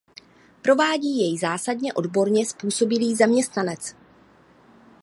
Provádí jej zásadně odborně způsobilý zaměstnanec.